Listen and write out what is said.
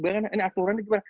aturan ini bagaimana